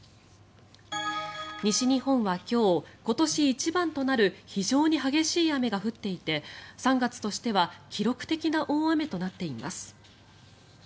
西日本は今日、今年一番となる非常に激しい雨が降っていて３月としては記録的な大雨となっています。